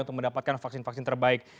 untuk mendapatkan vaksin vaksin terbaik